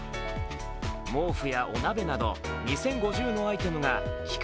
毛布やお鍋など２０５０のアイテムが期間